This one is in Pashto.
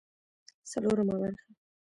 څلورمه برخه